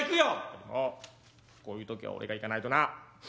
本当にもうこういう時は俺が行かないとな。